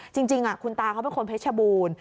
จริงจริงอ่ะคุณตาเขาเป็นคนเพชรบูรณ์